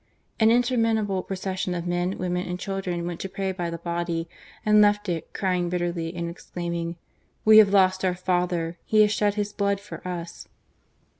An interminable procession of men, women, and children went to pray by the body, and left it, crying bitterly, and exclaiming :" We have lost our father ! He has shed his blood for us